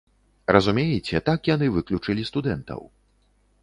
Разумееце, так яны выключылі студэнтаў.